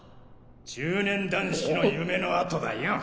中年男子の夢のあとだよ。